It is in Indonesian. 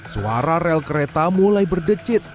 suara rel kereta mulai berdecit